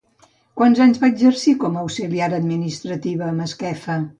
Quants anys va exercir com a auxiliar administrativa a Masquefa?